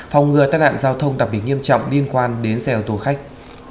phòng ngừa tai nạn giao thông đặc biệt nghiêm trọng liên quan đến xe ô tô khách